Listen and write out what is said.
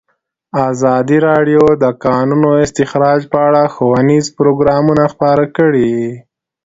ازادي راډیو د د کانونو استخراج په اړه ښوونیز پروګرامونه خپاره کړي.